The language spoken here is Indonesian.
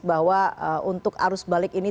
bahwa untuk arus balik ini